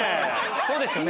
そうですよね。